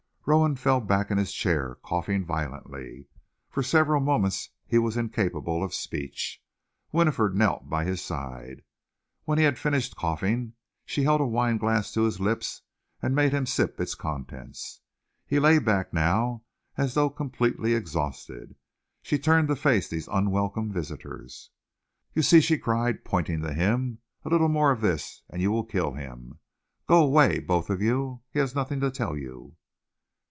Rowan fell back in his chair, coughing violently. For several moments he was incapable of speech. Winifred knelt by his side. When he had finished coughing, she held a wineglass to his lips and made him sip its contents. He lay back now as though completely exhausted. She turned to face these unwelcome visitors. "You see," she cried, pointing to him, "a little more of this and you will kill him. Go away, both of you. He has nothing to tell you."